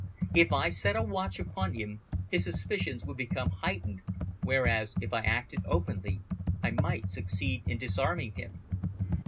If I set a watch upon him his suspicions would become heightened, whereas if I acted openly I might succeed in disarming him.